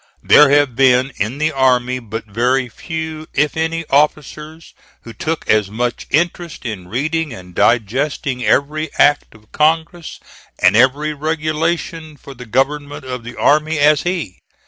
There have been in the army but very few, if any, officers who took as much interest in reading and digesting every act of Congress and every regulation for the government of the army as he.